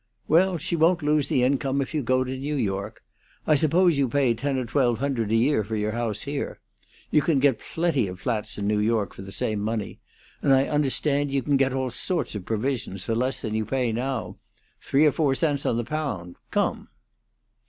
"Well, she won't lose the income if you go to New York. I suppose you pay ten or twelve hundred a year for your house here. You can get plenty of flats in New York for the same money; and I understand you can get all sorts of provisions for less than you pay now three or four cents on the pound. Come!"